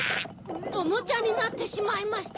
⁉おもちゃになってしまいました。